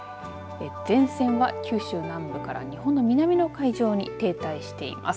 前線は九州南部から日本の南の海上に停滞しています。